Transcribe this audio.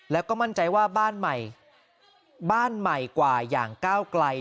แล้วก็มั่นใจว่าบ้านใหม่บ้านใหม่กว่าอย่างก้าวไกล